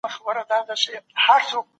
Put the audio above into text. بهرنۍ پالیسي د ملي امنیت د خوندیتوب ضامن دی.